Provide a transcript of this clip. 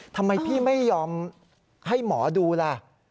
ทำไมพี่ไม่ยอมให้หมอดูล่ะ